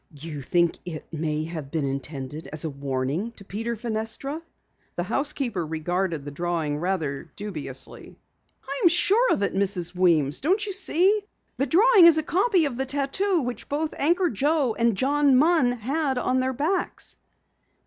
"You think it may have been intended as a warning to Peter Fenestra?" The housekeeper regarded the drawing rather dubiously. "I'm sure of it, Mrs. Weems! Don't you see? The drawing is a copy of the tattoo which both Anchor Joe and John Munn had on their backs!"